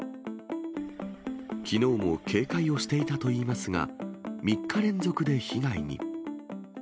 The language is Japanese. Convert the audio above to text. きのうも警戒をしていたといいますが、３日連続で被害に。